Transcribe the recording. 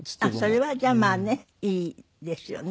それはじゃあまあねいいですよね。